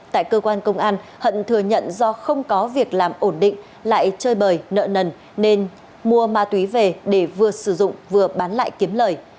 tại cơ quan công an hận thừa nhận do không có việc làm ổn định lại chơi bời nợ nần nên mua ma túy về để vừa sử dụng vừa bán lại kiếm lời